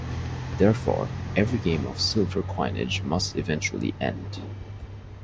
Therefore, every game of sylver coinage must eventually end.